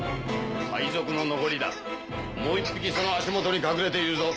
海賊の残りだもう１匹その足元に隠れているぞ。